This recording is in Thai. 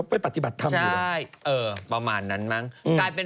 คิกกาแซรานังครับเหรอเออ